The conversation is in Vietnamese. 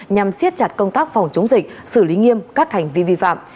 nhằm siết chặt công tác phòng chống dịch xử lý nghiêm các hành vi vi phạm